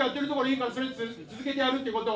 続けてやるっていうこと！